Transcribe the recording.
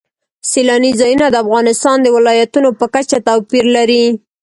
سیلانی ځایونه د افغانستان د ولایاتو په کچه توپیر لري.